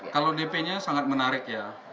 kalau dp nya sangat menarik ya